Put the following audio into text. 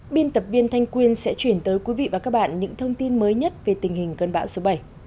biên tập viên thanh quyên sẽ chuyển tới quý vị và các bạn những thông tin mới nhất về tình hình cơn bão số bảy